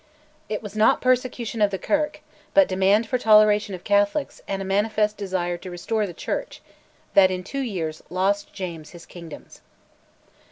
It was not persecution of the Kirk, but demand for toleration of Catholics and a manifest desire to restore the Church, that in two years lost James his kingdoms.